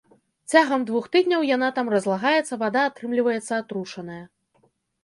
Цягам двух тыдняў яна там разлагаецца, вада атрымліваецца атручаная.